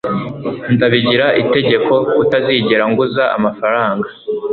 ndabigira itegeko kutazigera nguza amafaranga